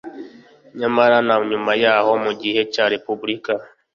Nyamara na nyuma y'aho mu gihe cya Repubulika,